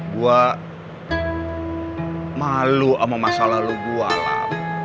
gua malu ama masalah lu gua lah